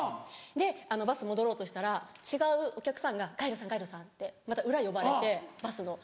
でバス戻ろうとしたら違うお客さんが「ガイドさんガイドさん」ってまた裏呼ばれてバスの。